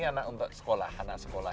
terus kemudian ini anak sekolah